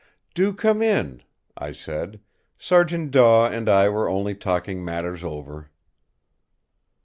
"Do come in," I said; "Sergeant Daw and I were only talking matters over."